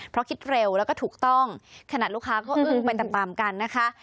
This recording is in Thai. เพราะคิดเร็วแล้วก็ถูกต้องขนาดลูกค้าก็อึ้งไปตามตามกันนะคะ